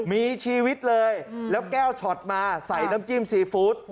มีชีวิตเลยแล้วแก้วช็อตมาใส่น้ำจิ้มซีฟู้ด